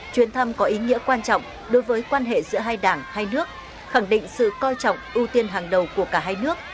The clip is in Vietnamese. chuyến thăm có ý nghĩa quan trọng đối với quan hệ giữa hai đảng hai nước khẳng định sự coi trọng ưu tiên hàng đầu của cả hai nước